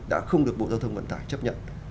đã không được bộ giao thông vận tải chấp nhận